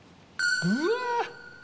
うわ！